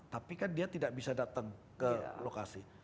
tapi kan dia tidak bisa datang ke lokasi